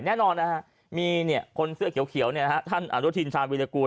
แน่นอนนะฮะมีคนเสื้อเขียวท่านอนุทินชาญวิรากูล